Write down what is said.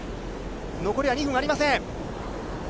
残りは２分ありません。